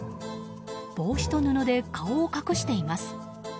帽子と布で顔を隠しています。